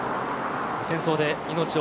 戦争で命を